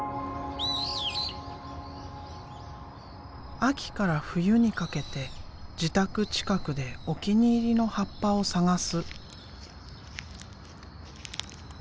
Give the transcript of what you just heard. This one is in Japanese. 秋から冬にかけて自宅近くでお気に入りの葉っぱを探す。